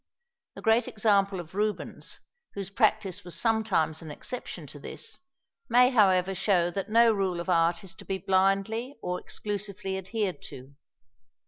The great example of Rubens, whose practice was sometimes an exception to this, may however show that no rule of art is to be blindly or exclusively adhered to.